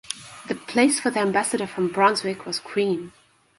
The place for the ambassador from Brunswick was green.